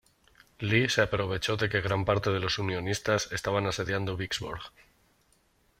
Lee se aprovechó de que gran parte de los unionistas estaban asediando Vicksburg.